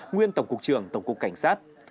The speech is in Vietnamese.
nguyên tổng cục trưởng tổng cục cảnh sát